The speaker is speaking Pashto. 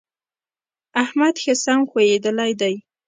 احمد ښه سم ښويېدلی دی.